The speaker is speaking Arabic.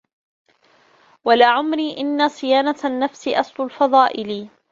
وَلَعَمْرِي إنَّ صِيَانَةَ النَّفْسِ أَصْلُ الْفَضَائِلِ